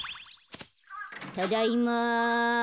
ただいま。